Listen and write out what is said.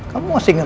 kamu masih ngetron